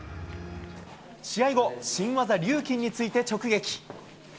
試合後、新技、リューキンについて直撃。